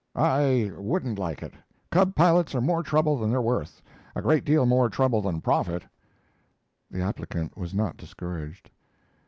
"I wouldn't like it. Cub pilots are more trouble than they're worth. A great deal more trouble than profit." The applicant was not discouraged.